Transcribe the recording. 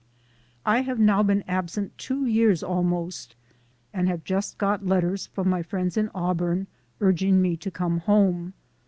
"' I have now been absent two years almost, and have just got letters from my friends in Auburn, urging me to come home.